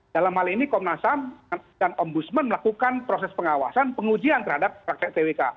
dalam hal ini komnas ham dan ombudsman melakukan proses pengawasan pengujian terhadap praktek twk